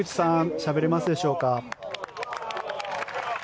しゃべれますでしょうか。